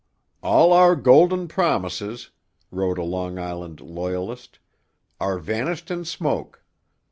'All our golden promises,' wrote a Long Island Loyalist, 'are vanished in smoke.